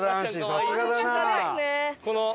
さすがだな。